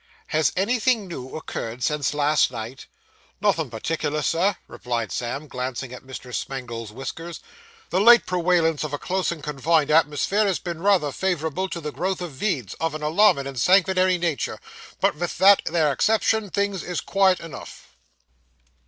'Has anything new occurred since last night?' 'Nothin' partickler, sir,' replied Sam, glancing at Mr. Smangle's whiskers; 'the late prewailance of a close and confined atmosphere has been rayther favourable to the growth of veeds, of an alarmin' and sangvinary natur; but vith that 'ere exception things is quiet enough.